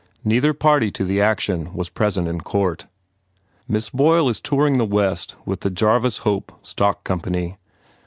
Neither party to the action was present in court. Miss Boyle is touring the West with the Jarvis Hope Stock Company.